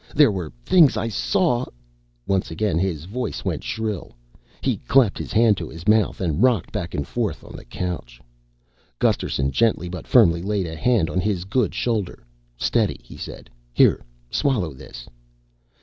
There were things I saw " Once again his voice went shrill. He clapped his hand to his mouth and rocked back and forth on the couch. Gusterson gently but firmly laid a hand on his good shoulder. "Steady," he said. "Here, swallow this."